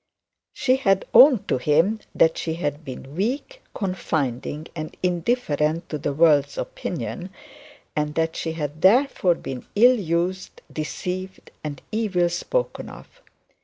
She had owned to him that she had been weak, confiding and indifferent to the world's opinion, and that she had therefore been ill used, deceived and evil spoken of.